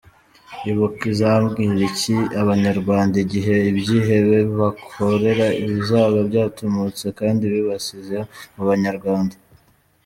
Ibuka izabwira iki abanyarwanda igihe ibyihebe bakorera bizaba byatumutse, kandi bibasize mu banyarwanda?